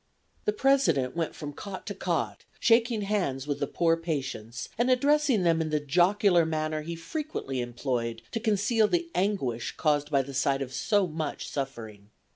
] The President went from cot to cot shaking hands with the poor patients and addressing them in the jocular manner he frequently employed to conceal the anguish caused by the sight of so much suffering.